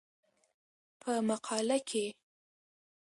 په مقاله کې